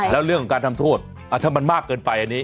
แล้วเรื่องของการทำโทษถ้ามันมากเกินไปอันนี้